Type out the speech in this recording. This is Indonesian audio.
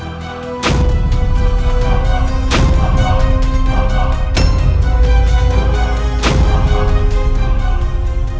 ia memiliki unsur kayu